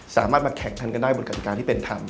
สามารถมาแข่งกันได้บนกับการที่เป็นธรรม